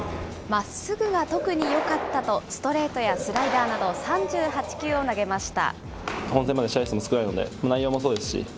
まっすぐが特によかったと、ストレートやスライダーなど３８球を投げました。